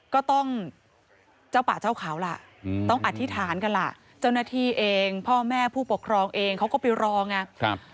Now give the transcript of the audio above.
ก็ต้องเจ้าป่าเจ้าเขาล่ะต้องอธิษฐานกันล่ะเจ้าหน้าที่เองพ่อแม่ผู้ปกครองเองเขาก็ไปรอไง